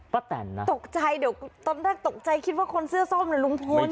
แตนนะตกใจเดี๋ยวตอนแรกตกใจคิดว่าคนเสื้อส้มหรือลุงพล